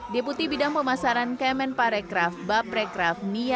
deputi bidang pemasaran kemen parikraf bapreikraf nianis caya